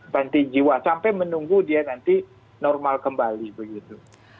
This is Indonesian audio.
banti jiwa sampai menunggu dia nanti normal kembali begitu